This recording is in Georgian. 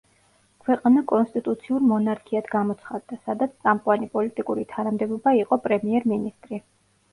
ქვეყანა კონსტიტუციურ მონარქიად გამოცხადდა, სადაც წამყვანი პოლიტიკური თანამდებობა იყო პრემიერ-მინისტრი.